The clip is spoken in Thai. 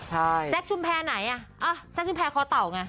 แซ็กชุมแพร่ไหนแซ็กชุมแพร่คอเต่าไง